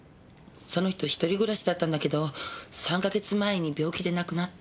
その人一人暮らしだったんだけど３か月前に病気で亡くなって。